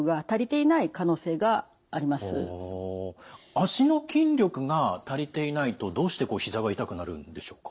脚の筋力が足りていないとどうしてひざが痛くなるんでしょうか？